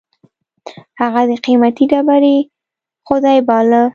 هغه د قېمتي ډبرې خدای باله.